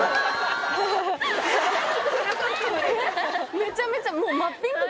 めちゃめちゃもう。